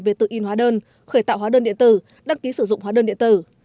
về tự in hóa đơn khởi tạo hóa đơn điện tử đăng ký sử dụng hóa đơn điện tử